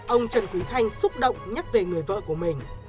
ông trần quý thanh xúc động nhắc về người vợ của mình